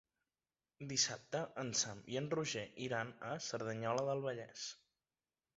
Dissabte en Sam i en Roger iran a Cerdanyola del Vallès.